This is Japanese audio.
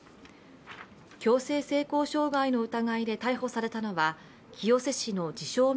強制性交傷害の疑いで逮捕されたのは清瀬市の自称